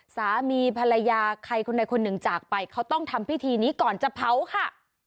สามีภรรยาใครคนใดคนหนึ่งจากไปเขาต้องทำพิธีนี้ก่อนจะเผาค่ะ